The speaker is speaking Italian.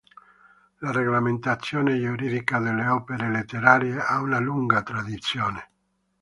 La regolamentazione giuridica delle opere letterarie ha una lunga tradizione.